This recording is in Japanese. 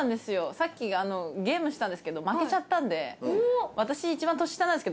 さっきゲームしたんですけど負けちゃったんで私。